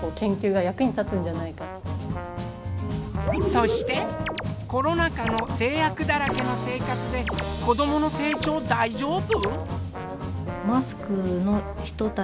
そしてコロナ禍の制約だらけの生活で子どもの成長大丈夫？